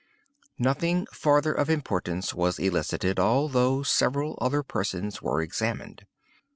"Nothing farther of importance was elicited, although several other persons were examined.